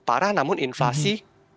parah namun inflasi